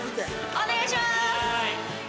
お願いします。